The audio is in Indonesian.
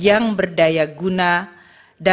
yang berbeda dan berbeda